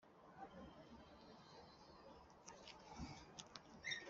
Ndashaka kumusanga ngo anyuhagire ankize